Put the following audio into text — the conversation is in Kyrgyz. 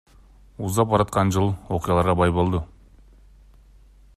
Узап бараткан жыл окуяларга бай болду.